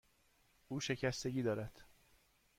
او شکستگی دارد.